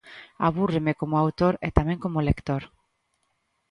Abúrreme como autor e tamén como lector.